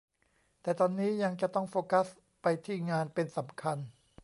แต่ตอนนี้ยังจะต้องโฟกัสไปที่งานเป็นสำคัญ